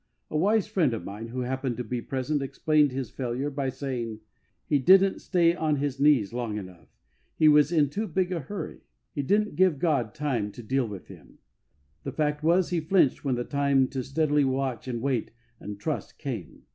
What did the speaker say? A wise friend of mine, who happened to be present, explained his failure by saying :" He didn't stay on his knees long enough. He was in too big a hurry. He didn't give God time to don't flinch. 93 deal with him." The fact was, he flinched when the time to steadily watch and wait and trust came.